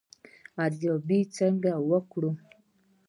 ارزیابي څنګه وکړو؟